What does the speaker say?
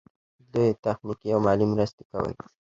دوی تخنیکي او مالي مرستې کولې.